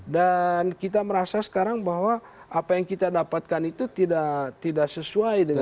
dan kita merasa sekarang bahwa apa yang kita dapatkan itu tidak sesuai dengan